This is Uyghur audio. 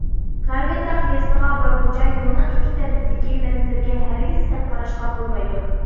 غەربىي تاغ يېزىسىغا بارغۇچە، يولنىڭ ئىككى تەرىپىدىكى مەنزىرىگە ھەرگىز سەل قاراشقا بولمايدۇ.